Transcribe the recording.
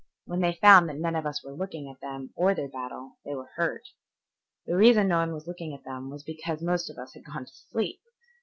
When they found that none of us were looking at them or their battle, they were hurt. The reason no one was looking at them was because most of us had gone to sleep.